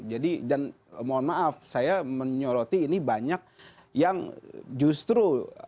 jadi dan mohon maaf saya menyoroti ini banyak yang justru